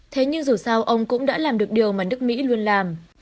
thế nhưng dù sao ông cũng đã làm được điều mà nước mỹ luôn làm